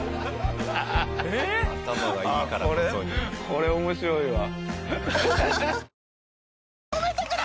これ面白いわ。